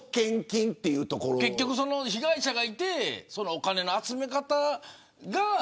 結局、被害者がいてお金の集め方が。